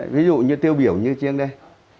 ví dụ như tiêu biểu như chiêng đây